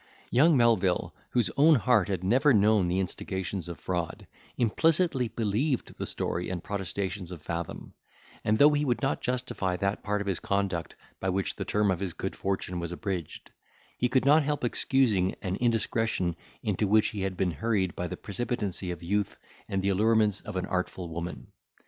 Young Melvil, whose own heart had never known the instigations of fraud, implicitly believed the story and protestations of Fathom; and though he would not justify that part of his conduct by which the term of his good fortune was abridged, he could not help excusing an indiscretion into which he had been hurried by the precipitancy of youth, and the allurements of an artful woman.